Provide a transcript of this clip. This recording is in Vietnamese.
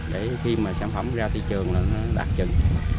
để khi mà sản phẩm ra tiêu chuẩn